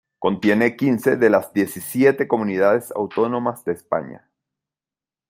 Contiene quince de las diecisiete comunidades autónomas de España.